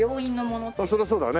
まあそりゃそうだね。